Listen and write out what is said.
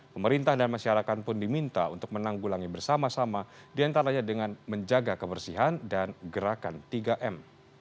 pemerintah dan masyarakat pun diminta untuk menanggulangi bersama sama diantaranya dengan menjaga kebersihan dan gerakan tiga m